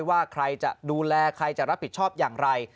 ว่าใครจะดูแลใครจะรับผิดชอบอย่างไร